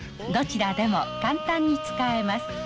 どちらでも簡単に使えます」。